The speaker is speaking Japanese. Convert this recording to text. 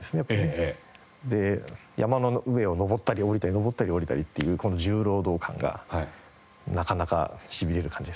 で山の上を登ったり下りたり登ったり下りたりっていうこの重労働感がなかなかしびれる感じですね。